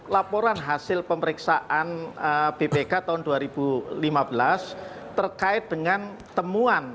laporan hasil pemeriksaan bpk tahun dua ribu lima belas terkait dengan temuan